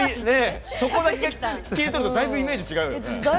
そこだけ切り取るとだいぶイメージ違うよね。